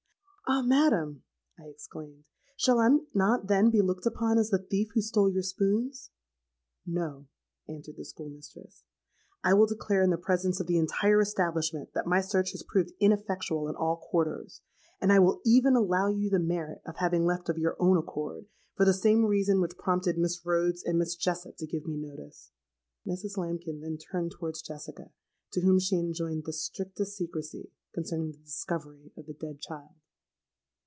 '—'Ah! madam,' I exclaimed, 'shall I not then be looked upon as the thief who stole your spoons?'—'No,' answered the school mistress. 'I will declare in the presence of the entire establishment that my search has proved ineffectual in all quarters; and I will even allow you the merit of having left of your own accord, for the same reason which prompted Miss Rhodes and Miss Jessop to give me notice.' Mrs. Lambkin then turned towards Jessica, to whom she enjoined the strictest secrecy concerning the discovery of the dead child.